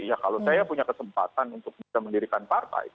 ya kalau saya punya kesempatan untuk bisa mendirikan partai